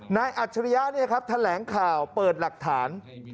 นายอัจฉริยะเนี่ยครับแถลงข่าวเปิดหลักฐาน